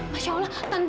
masya allah tante